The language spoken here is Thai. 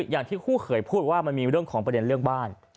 อย่างที่คู่เขยพูดว่ามันมีเรื่องของประเด็นเรื่องบ้าน